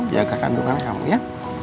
jaga kandungan kamu ya